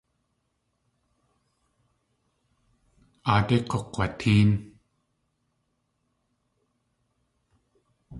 Aadé k̲ukg̲watéen.